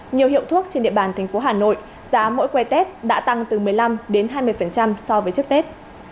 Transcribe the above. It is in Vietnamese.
nhiều hiệu thuốc trên địa bàn thành phố hà nội giá mỗi quay tết đã tăng từ một mươi năm đến hai mươi so với trước tết